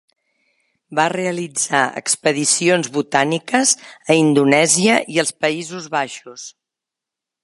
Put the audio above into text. Va realitzar expedicions botàniques a Indonèsia i als Països Baixos.